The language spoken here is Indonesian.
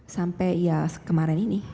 sampai ya kemarin ini